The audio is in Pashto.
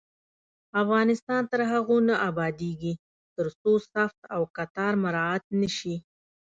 افغانستان تر هغو نه ابادیږي، ترڅو صف او کتار مراعت نشي.